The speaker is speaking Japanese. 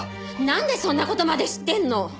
なんでそんな事まで知ってんの？